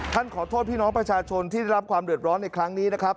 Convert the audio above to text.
ขอโทษพี่น้องประชาชนที่ได้รับความเดือดร้อนในครั้งนี้นะครับ